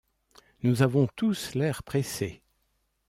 Nous avons tous l'air pressé.